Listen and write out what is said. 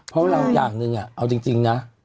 เพราะเราอย่างหนึ่งเอาจริงนะ